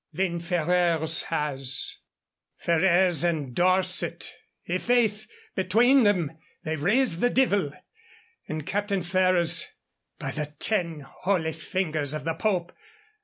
"Then Ferrers has " "Ferrers and Dorset I' faith, between them they've raised the divil. And Captain Ferrers by the ten holy fingers of the Pope!